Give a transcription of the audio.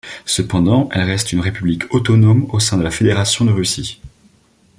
Cependant, elle reste une république autonome au sein de la Fédération de Russie.